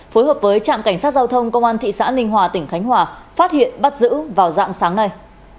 phối hợp với trạm cảnh sát giao thông công an thị xã ninh hòa tỉnh khánh hòa phát hiện bắt giữ vào dạng sáng nay